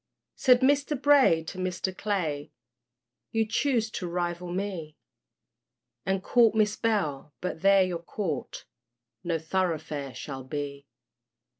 Said Mr. Bray to Mr. Clay, You choose to rival me, And court Miss Bell, but there your court No thoroughfare shall be.